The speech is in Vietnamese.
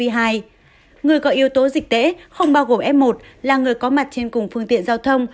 người có yếu tố dịch tễ không bao gồm f một là người có mặt trên cùng phương tiện giao thông